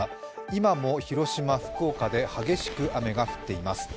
今も広島、福岡で激しく雨が降っています。